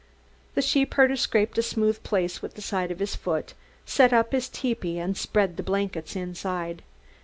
The sheepherder scraped a smooth place with the side of his foot, set up his tepee and spread the blankets inside.